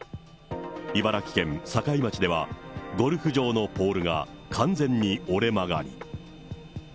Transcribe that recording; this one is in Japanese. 茨城県境町では、ゴルフ場のポールが完全に折れ曲がる。